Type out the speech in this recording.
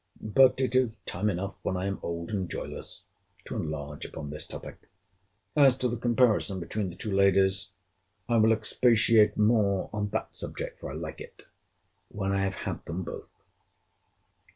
But it is time enough when I am old and joyless, to enlarge upon this topic. As to the comparison between the two ladies, I will expatiate more on that subject, (for I like it,) when I have had them both.